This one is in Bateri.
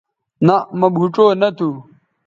نہء مہ بھوڇؤ نہ تھو